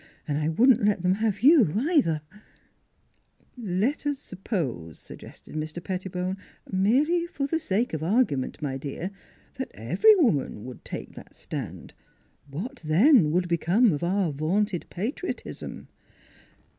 " And I wouldn't let them have you, either !"" Let us suppose," suggested Mr. Pettibone, " merely for the sake of argument, my dear, that every woman should take that stand. What then would become of our vaunted patriotism?"